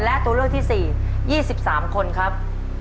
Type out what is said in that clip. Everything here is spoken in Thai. และตัวเลือกที่๔ยี่สิบสามคนครับ